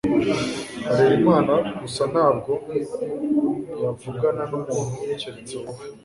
Harerimana gusa ntabwo yavugana numuntu keretse wowe. .